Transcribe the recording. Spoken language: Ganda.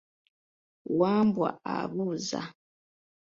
Wambwa abuuza.